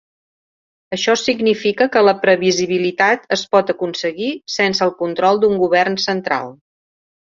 Això significa que la previsibilitat es pot aconseguir sense el control d'un Govern central.